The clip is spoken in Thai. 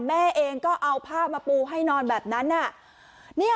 แม่เองก็เอาผ้ามาปูให้นอนแบบนั้น